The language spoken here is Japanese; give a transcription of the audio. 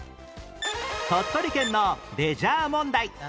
鳥取県のレジャー問題